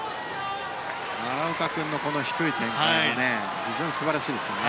奈良岡君の低い展開は非常に素晴らしいですね。